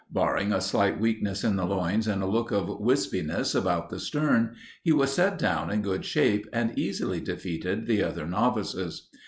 Barring a slight weakness in the loins and a look of wispiness about the stern, he was set down in good shape and easily defeated the other novices.